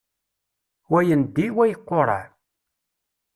Wa yendi, wa iqureɛ.